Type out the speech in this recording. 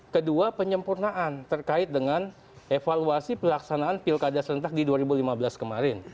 kedua penyempurnaan terkait dengan evaluasi pelaksanaan pilkada serentak di dua ribu lima belas kemarin